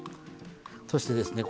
そしてですね